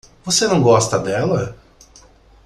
Você não gosta dela?